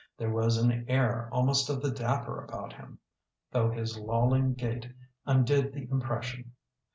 There was an air almost of the dapper about him* though his lolling gait undid the im pression.